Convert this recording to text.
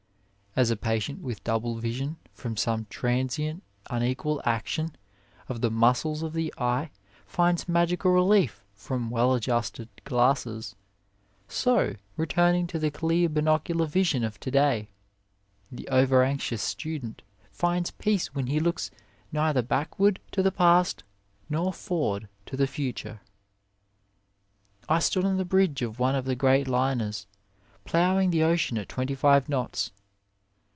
As a patient 20 OF LIFE with double vision from some transient unequal action of the muscles of the eye finds magical relief from well adjusted glasses, so, returning to the clear bin ocular vision of to day, the over anxious student finds peace when he looks neither back ward to the past nor forward to the future. I stood on the bridge of one of the great liners, ploughing the ocean at 25 knots.